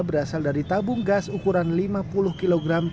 berasal dari tabung gas ukuran lima puluh kg